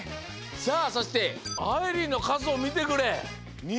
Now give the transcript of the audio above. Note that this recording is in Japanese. さあそしてあいりんのかずをみてくれ。